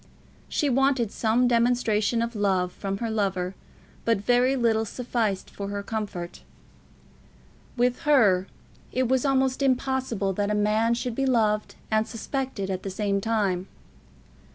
She wanted some demonstration of love from her lover, but very little sufficed for her comfort. With her it was almost impossible that a man should be loved and suspected at the same time.